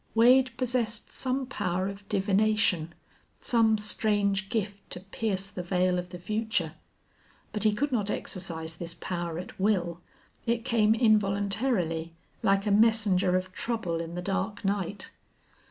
Wade possessed some power of divination, some strange gift to pierce the veil of the future. But he could not exercise this power at will; it came involuntarily, like a messenger of trouble in the dark night.